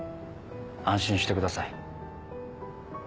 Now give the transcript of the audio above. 安心してください。